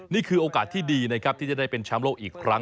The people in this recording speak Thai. นี่คือโอกาสที่ดีนะครับที่จะได้เป็นแชมป์โลกอีกครั้ง